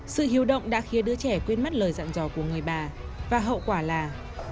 sự hiếu động đã khiến đứa trẻ quên mất lời dặn dò của người bà và hậu quả là